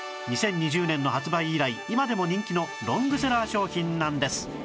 ２０２０年の発売以来今でも人気のロングセラー商品なんです